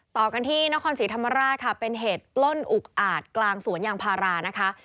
ต่อกันที่นครศรีธรรมราชค่ะเป็นเหตุปล้นอุกอาจกลางสวนยางพารานะคะ